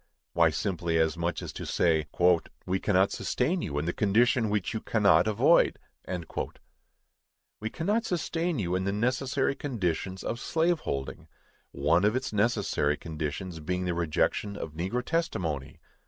Why, simply, as much as to say, "We cannot sustain you in the condition which you cannot avoid!" We cannot sustain you in the necessary conditions of slave holding; one of its necessary conditions being the rejection of negro testimony!